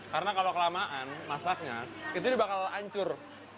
karena kalau kelamaan masaknya itu akan hancur